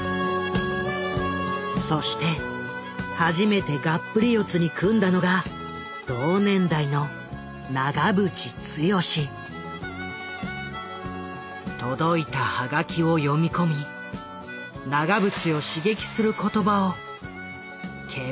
そして初めてがっぷり四つに組んだのが同年代の届いたハガキを読み込み長渕を刺激する言葉を懸命に探った。